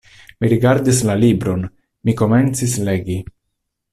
Mi rigardis la libron, mi komencis legi.